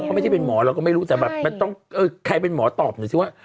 เขาไม่ใช่เป็นหมอเราก็ไม่รู้แต่แบบมันต้องใครเป็นหมอตอบหน่อยสิว่า